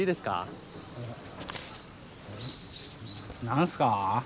何すか？